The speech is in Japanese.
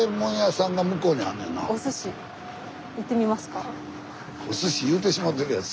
おすし言うてしまってるやん。